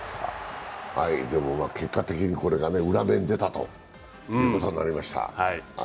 でも結果的にこれが裏目に出たということになりました。